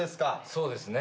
そうですね。